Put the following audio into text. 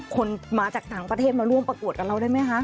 คนมาจากต่างประเทศมาร่วมประกวดกับเราได้ไหมคะ